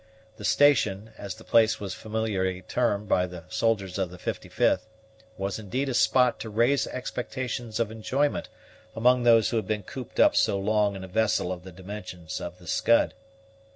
The station, as the place was familiarly termed by the soldiers of the 55th, was indeed a spot to raise expectations of enjoyment among those who had been cooped up so long in a vessel of the dimensions of the Scud.